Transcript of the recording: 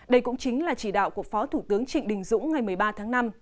đây cũng chính là chỉ đạo của phó thủ tướng trịnh đình dũng ngày một mươi ba tháng năm